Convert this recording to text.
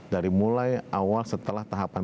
dari mulai awal setelah tahapan